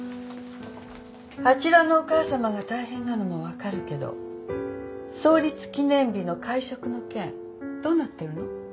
あちらのお母さまが大変なのも分かるけど創立記念日の会食の件どうなってるの？